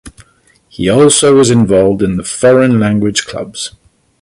He also was involved in foreign language clubs.